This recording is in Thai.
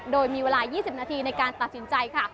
โดยมีเวลา๒๐นาทีในการตัดสินใจค่ะ